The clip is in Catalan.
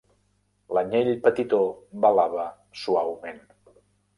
L'anyell petitó belava suaument.